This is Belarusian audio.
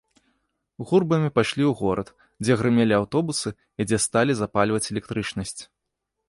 Гурбамі пайшлі ў горад, дзе грымелі аўтобусы і дзе сталі запальваць электрычнасць.